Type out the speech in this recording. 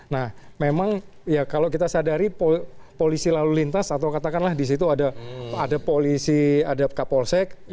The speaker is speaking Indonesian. nah memang ya kalau kita sadari polisi lalu lintas atau katakanlah di situ ada polisi ada kapolsek